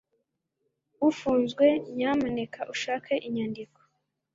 Ufunzwe nyamuneka ushake inyandiko